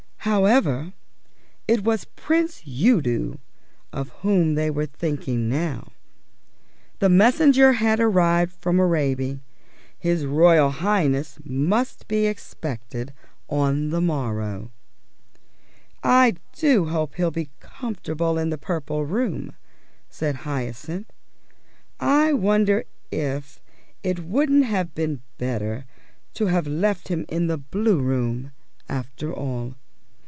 ... However, it was Prince Udo of whom they were thinking now. The Messenger had returned from Araby; his Royal Highness must be expected on the morrow. "I do hope he'll be comfortable in the Purple Room," said Hyacinth. "I wonder if it wouldn't have been better to have left him in the Blue Room, after all."